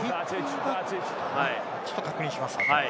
ちょっと確認します。